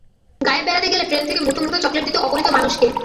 গাঁয়ে বেড়াতে গেলে ট্রেন থেকে মুঠো মুঠো চকলেট দিত অগণিত মানুষকে।